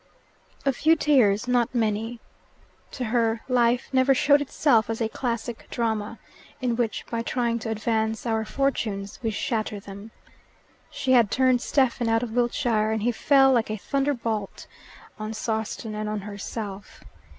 A few tears; not many. To her, life never showed itself as a classic drama, in which, by trying to advance our fortunes, we shatter them. She had turned Stephen out of Wiltshire, and he fell like a thunderbolt on Sawston and on herself.